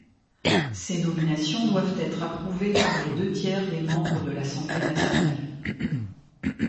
Ces nominations doivent être approuvées par les deux tiers des membres de l'Assemblée nationale.